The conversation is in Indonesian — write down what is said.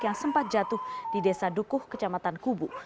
yang sempat jatuh di desa dukuh kecamatan kubu